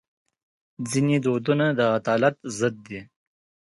ځینې دودونه د عدالت ضد دي.